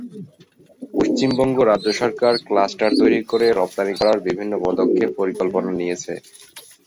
পশ্চিমবঙ্গ রাজ্য সরকার ক্লাস্টার তৈরি-করে রপ্তানি করার বিভিন্ন পদক্ষেপ করার পরিকল্পনা নিয়েছে।